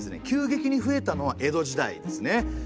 急激に増えたのは江戸時代ですね。